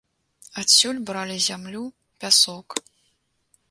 Адсюль бралі зямлю, пясок.